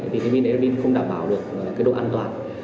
vì cái pin đấy là pin không đảm bảo được cái độ an toàn